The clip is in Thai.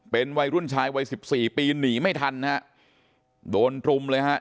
เป็นวัยรุ่นชายวัย๑๔ปีนี่ไม่ทันโดนธรุมเลยไฮะ